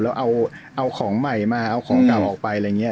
แล้วเอาของใหม่มาเอาของเก่าออกไปอะไรอย่างนี้